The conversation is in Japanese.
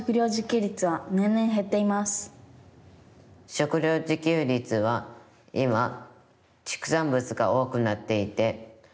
食料自給率は今ちくさんぶつが多くなっていて。